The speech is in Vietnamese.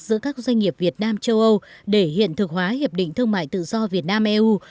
giữa các doanh nghiệp việt nam châu âu để hiện thực hóa hiệp định thương mại tự do việt nam eu